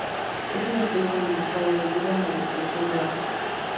Es una especie amenazada debido a la destrucción de hábitat.